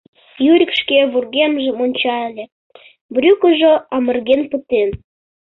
Юрик шке вургемжым ончале — брюкыжо амырген пытен.